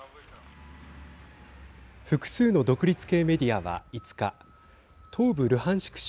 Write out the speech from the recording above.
複数の独立系メディアは５日東部ルハンシク